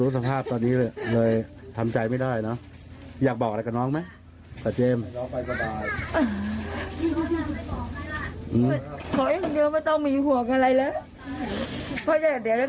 เสียใจให้เอาไปด้วย